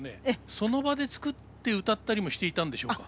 その場で作ってうたったりもしていたんでしょうか。